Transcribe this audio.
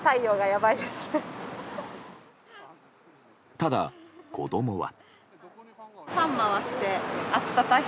ただ、子供は。